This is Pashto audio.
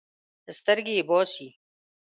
سترګې یې باسي.